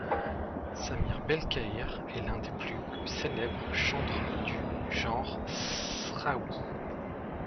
Samir Belkheïr est l'un des plus célèbres chantres du genre sraoui.